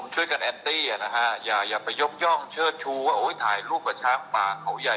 เพราะว่าพันธุ์หนึ่งคนมันจะทำก็ทำ